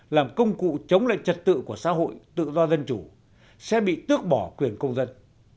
làm công cụ chống lại trật tự của xã hội tự do dân chủ sẽ bị tước bỏ quyền công dân